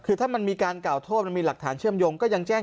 คือถ้ามันมีการกล่าวโทษมันมีหลักฐานเชื่อมโยงก็ยังแจ้ง